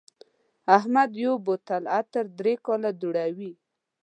احمد یو بوتل عطر درې کاله دوړوي.